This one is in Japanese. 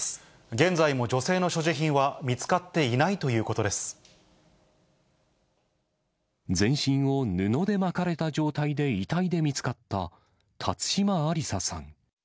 現在も女性の所持品は見つか全身を布で巻かれた状態で、遺体で見つかった辰島ありささん。